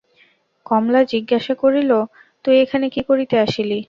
কমলা জিজ্ঞাসা করিল, তুই এখানে কী করিতে আসিলি?